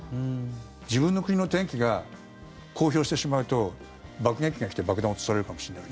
自分の国の天気が公表してしまうと爆撃機が来て爆弾落とされるかもしれない。